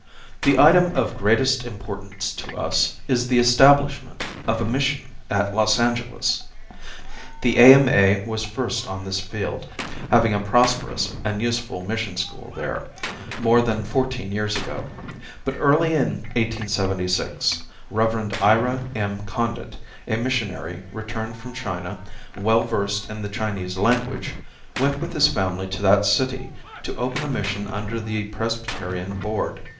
The item of greatest importance to us is the establishment of a mission at Los Angeles. The A.M.A. was first on this field, having had a prosperous and useful mission school there, more than fourteen years ago. But early in 1876 Rev. Ira M. Condit, a missionary returned from China, well versed in the Chinese language, went with his family to that city to open a mission under the Presbyterian Board.